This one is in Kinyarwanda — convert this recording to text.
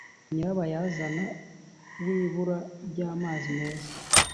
nyirabayazana w’ibura rya amazi meza